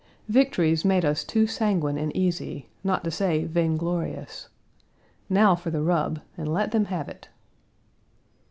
Victories made us too sanguine and easy, not to say vainglorious. Now for the rub, and let them have it!"